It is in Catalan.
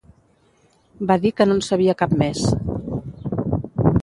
va dir que no en sabia cap més